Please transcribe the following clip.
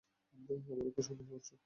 আমার ওপর সন্দেহ করছো?